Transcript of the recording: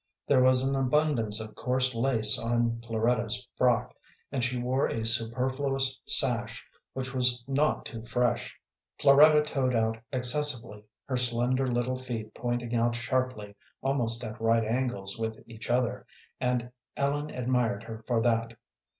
There was an abundance of coarse lace on Floretta's frock, and she wore a superfluous sash which was not too fresh. Floretta toed out excessively, her slender little feet pointing out sharply, almost at right angles with each other, and Ellen admired her for that.